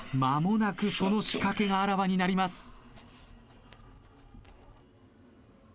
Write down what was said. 間もなくその仕掛けがあらわになります。